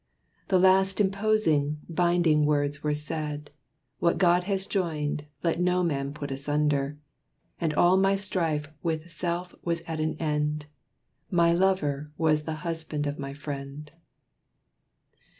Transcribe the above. The last imposing, binding words were said "What God has joined let no man put asunder" And all my strife with self was at an end; My lover was the husband of my friend.